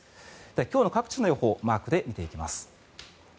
今日の各地の予報マークで見ていきます。